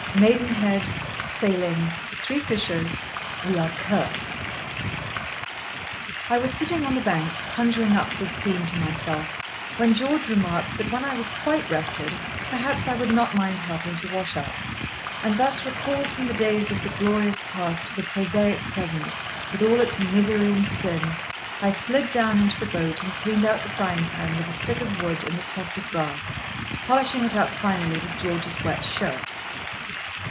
—Maidenhead.—Sailing.—Three fishers.—We are cursed. I was sitting on the bank, conjuring up this scene to myself, when George remarked that when I was quite rested, perhaps I would not mind helping to wash up; and, thus recalled from the days of the glorious past to the prosaic present, with all its misery and sin, I slid down into the boat and cleaned out the frying pan with a stick of wood and a tuft of grass, polishing it up finally with George's wet shirt.